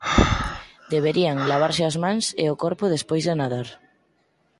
Deberían lavarse as mans e o corpo despois de nadar.